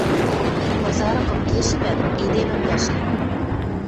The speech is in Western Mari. Икмазарыкым кешӹмӓт, эдемӹм вӓшлим.